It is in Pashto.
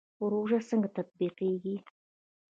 پروژه څنګه تطبیقیږي؟